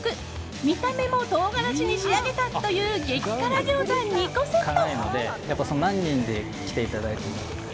見た目も唐辛子に仕上げたという激辛ギョーザ２個セット。